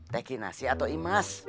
tekinasi atau imas